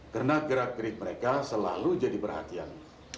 karena gerak gerik mereka selalu jadi perhatian